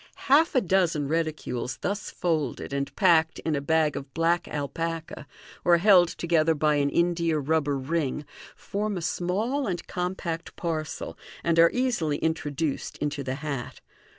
Half a dozen reticules thus folded, and packed in a bag of black alpaca, or held together by an india rubber ring, form a small and compact parcel, and are easily introduced into the hat.